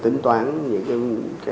tính toán những cái hạ mục